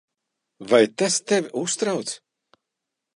Vai tas tevi uztrauc?